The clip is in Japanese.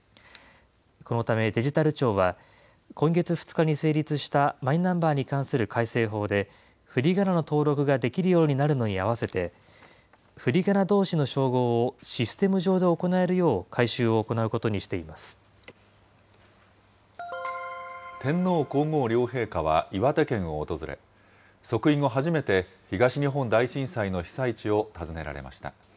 このためデジタル庁は、今月２日に成立したマイナンバーに関する改正法で、ふりがなの登録ができるようになるのにあわせて、ふりがなどうしの照合をシステム上で行えるよう改修を行うことに天皇皇后両陛下は岩手県を訪れ、即位後初めて、東日本大震災の被災地を訪ねられました。